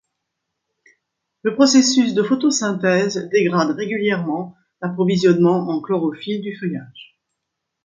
Le processus de photosynthèse dégrade régulièrement l'approvisionnement en chlorophylle du feuillage.